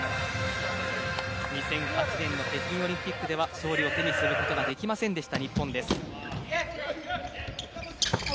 ２００８年の北京オリンピックでは勝利を手にすることができませんでした、日本です。